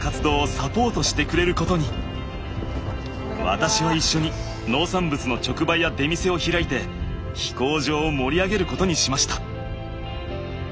私は一緒に農産物の直売や出店を開いて飛行場を盛り上げることにしました。